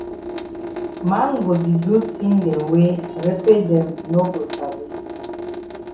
Man go di do tin dem wey repe dem no go sabi.